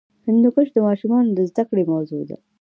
هندوکش د ماشومانو د زده کړې موضوع ده.